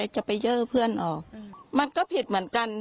จะไปเยอร์เพื่อนออกมันก็ผิดเหมือนกัน